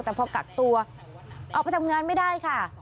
แต่พอกักตัวออกไปทำงานไม่ได้ค่ะ